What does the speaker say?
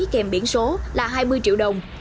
kèm biển số là hai mươi triệu đồng